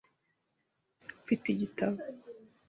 Mfite igitabo .